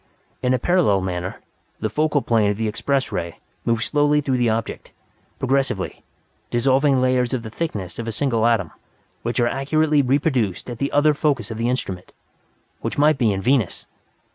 In a parallel manner, the focal plane of the Express Ray moves slowly through the object, progressively, dissolving layers of the thickness of a single atom, which are accurately reproduced at the other focus of the instrument which might be in Venus!